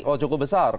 oh cukup besar